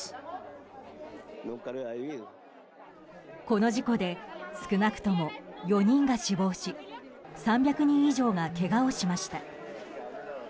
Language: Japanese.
この事故で少なくとも４人が死亡し３００人以上がけがをしました。